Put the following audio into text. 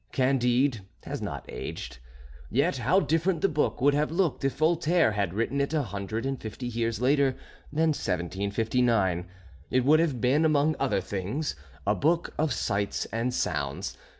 "Candide" has not aged. Yet how different the book would have looked if Voltaire had written it a hundred and fifty years later than 1759. It would have been, among other things, a book of sights and sounds.